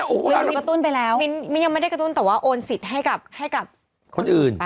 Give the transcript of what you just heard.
ก็นี่มีกระตุ้นไปแล้วมียังไม่ได้กระตุ้นแต่ว่าโอนสิทธิ์ให้กับคนอื่น